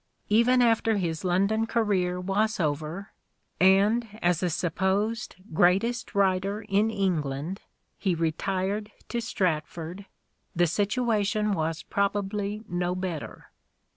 Even after his London career was over, and as the supposed greatest writer in England he retired to Stratford, the situation was probably no better.